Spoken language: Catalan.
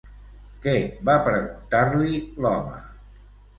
Què va preguntar-li l'home?